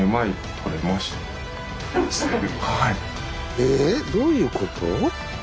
えどういうこと？